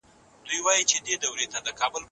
که په تعلیم کې بریا وي، نو ټولنه پرمختګ کوي.